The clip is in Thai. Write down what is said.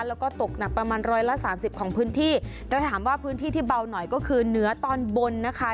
แล้วก็ตกหนักประมาณร้อยละสามสิบของพื้นที่แต่ถามว่าพื้นที่ที่เบาหน่อยก็คือเหนือตอนบนนะคะ